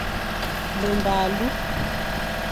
Mbemba alu.